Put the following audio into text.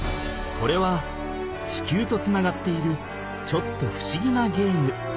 これは地球とつながっているちょっとふしぎなゲーム。